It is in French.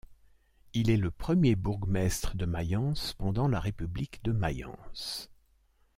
Il est le premier bourgmestre de Mayence, pendant la République de Mayence.